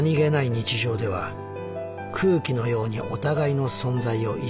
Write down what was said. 日常では空気のようにお互いの存在を意識しない。